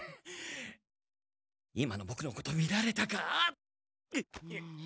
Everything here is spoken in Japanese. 今のボクのこと見られたか？